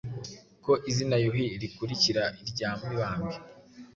ko izina Yuhi rikurikira irya Mibambwe.